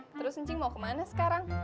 terus anjing mau kemana sekarang